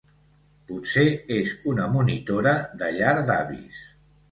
Potser és una monitora de llar d'avis.